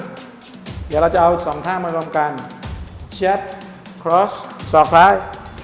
เดี๋ยวเราจะเอาสองท่ามารวมกันแช๊ปคลอสสอบคล้าย